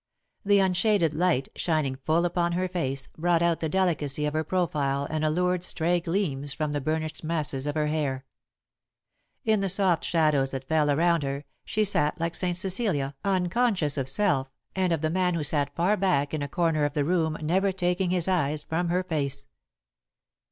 The unshaded light, shining full upon her face, brought out the delicacy of her profile and allured stray gleams from the burnished masses of her hair. In the soft shadows that fell around her, she sat like St. Cecilia, unconscious of self, and of the man who sat far back in a corner of the room, never taking his eyes from her face.